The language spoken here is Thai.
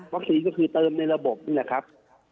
ก็คือเติมในระบบนี่แหละครับ